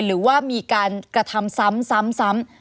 หรือว่ามีการกระทำซ้ำซ้ำซ้ำ